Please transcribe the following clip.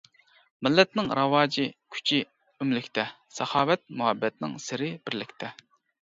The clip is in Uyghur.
مىللەتنىڭ راۋاجى كۈچى ئۆملۈكتە، ساخاۋەت مۇھەببەتنىڭ سىرى بىرلىكتە.